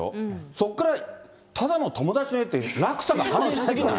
そこからただの友達の家って、落差が激しすぎない？